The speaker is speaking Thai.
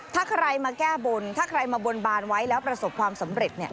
ถ้าใครมาแก้บนถ้าใครมาบนบานไว้แล้วประสบความสำเร็จ